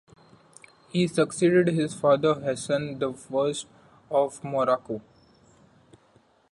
He succeeded his father Hassan the First of Morocco.